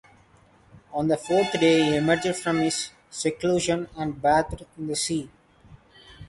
On the fourth day he emerged from his seclusion and bathed in the sea.